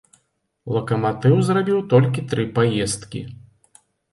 Лакаматыў зрабіў толькі тры паездкі.